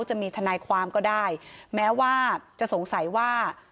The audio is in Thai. จะมีทนายความก็ได้แม้ว่าจะสงสัยว่า